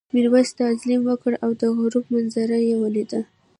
میرويس تعظیم وکړ او د غروب منظره یې ولیده.